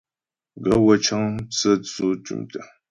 Gaê wə́ cə́ŋ mtsə́tsʉ̂ tʉ̀mtə̀.